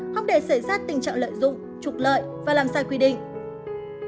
không để xảy ra tình trạng lợi dụng trục lợi và làm sai quy định